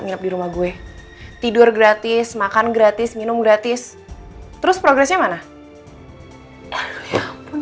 nginep di rumah gue tidur gratis makan gratis minum gratis terus progresnya mana ya